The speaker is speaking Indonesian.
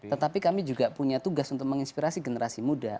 tetapi kami juga punya tugas untuk menginspirasi generasi muda